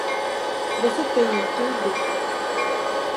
Você tem YouTube?